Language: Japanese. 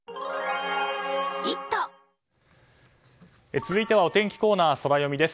続いてはお天気コーナー、ソラよみです。